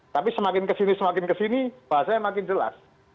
tapi semakin kesini semakin kesini bahasanya makin jelas